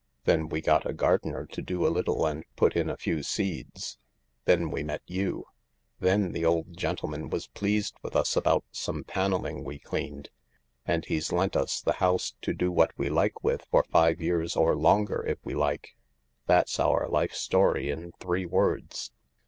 Then we got a gardener to do a little and put in a few seeds. Then we met you. Then the old gentleman was pleased with us about some panelling we cleaned, and he's lent us the house to do what we like with for five years or longer if we like. That's our life story in three words.